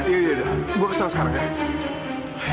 ini udah gue kesana sekarang guys